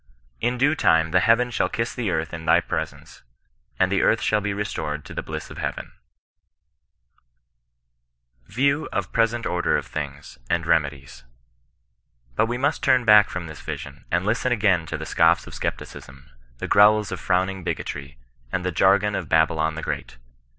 In due time the heaven shall kiss the earth in thy presence, and the earth shall be restored to the bliss of heaven. 172 OBBISTIAN KOK BESISTAKCS. VIEW OF PBESENT ORDER OF TfixxTGS, AlNt REMEDIES. But we must turn back from this Tision, and listen again to the scoffs of scepticism, the growls of frowning bigotry, and the jargon of Babylon the great.